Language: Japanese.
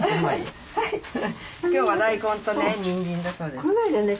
今日は大根とねにんじんだそうです。